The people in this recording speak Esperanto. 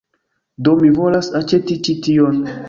Do mi volas aĉeti ĉi tion